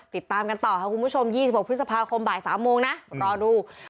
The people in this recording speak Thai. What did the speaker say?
ติดตามกันต่อค่ะคุณผู้ชม๒๖พฤษภาคมบ่าย๓โมงนะรอดู